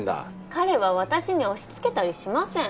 彼は私に押し付けたりしません！